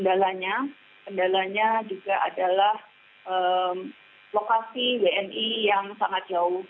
kendalanya kendalanya juga adalah lokasi wni yang sangat jauh